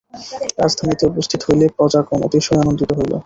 রাজধানীতে উপস্থিত হইলে প্রজাগণ অতিশয় আনন্দিত হইল।